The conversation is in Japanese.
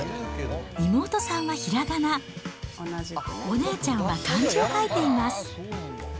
妹さんはひらがな、お姉ちゃんは漢字を書いています。